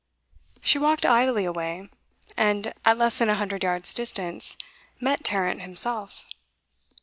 She walked idly away and, at less than a hundred yards' distance, met Tarrant himself.